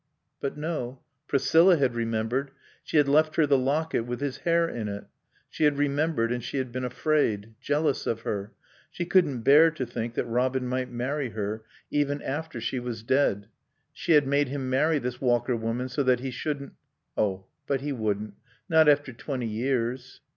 But no. Priscilla had remembered. She had left her the locket with his hair in it. She had remembered and she had been afraid; jealous of her. She couldn't bear to think that Robin might marry her, even after she was dead. She had made him marry this Walker woman so that he shouldn't Oh, but he wouldn't. Not after twenty years.